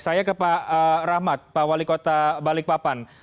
saya ke pak rahmat pak wali kota balikpapan